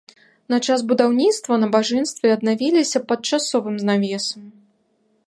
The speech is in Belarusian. На час будаўніцтва набажэнствы аднавіліся пад часовым навесам.